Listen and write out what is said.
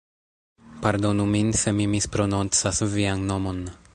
Pardonu min se mi misprononcas vian nomon.